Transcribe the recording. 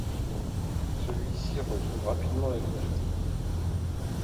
Celui-ci retrouve rapidement la liberté.